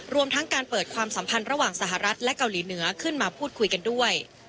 รวมทั้งการเปิดความสัมพันธ์ระหว่างสหรัฐและเกาหลีเหนือขึ้นมาพูดคุยกันด้วย